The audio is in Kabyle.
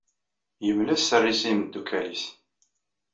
Yemla sser-is i imdukal-is.